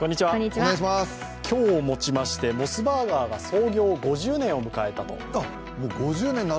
今日をもちましてモスバーガーが創業５０年を迎えたと。